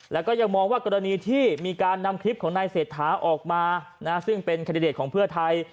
แล้วก็ยังมองว่ากรณีที่มีการนำคลิปของนายเศรษฐาออกมาซึ่งเป็นแคนดิเดตของเพื่อไทย